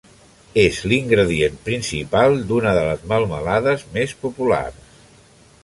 És l'ingredient principal d'una de les melmelades més populars.